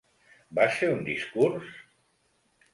Vas fer un discurs?